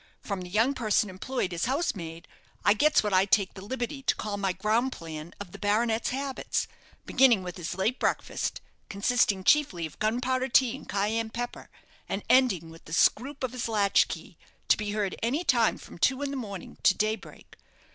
From the young person employed as housemaid, I gets what I take the liberty to call my ground plan of the baronet's habits; beginning with his late breakfast, consisting chiefly of gunpowder tea and cayenne pepper, and ending with the scroop of his latch key, to be heard any time from two in the morning to day break.